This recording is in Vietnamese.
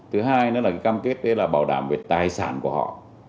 thứ hai nữa là cái cam kết đấy là bảo đảm về tài sản của họ